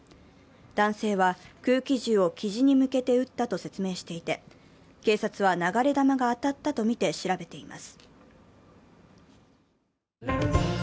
男性は空気銃をキジに向けて撃ったと説明していて警察は、流れ弾が当たったとみて調べています。